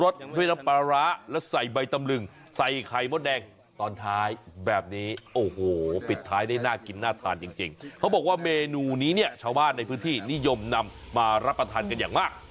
ชาวบ้านในพื้นที่นิยมนำมารับประทานกันอย่างมาก